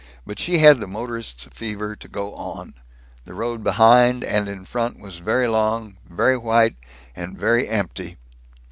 But she had the motorist's fever to go on. The road behind and in front was very long, very white and very empty.